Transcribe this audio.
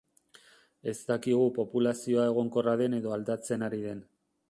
Ez dakigu populazioa egonkorra den edo aldatzen ari den.